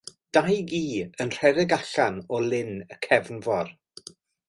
Dau gi yn rhedeg allan o lyn y cefnfor.